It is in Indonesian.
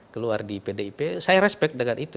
keluar di pdip saya respect dengan itu